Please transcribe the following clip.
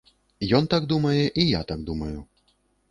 Ён так думае, і я так думаю.